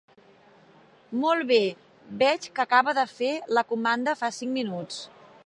Molt bé, veig que acaba de fer la comanda fa cinc minuts.